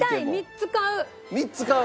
３つ買う！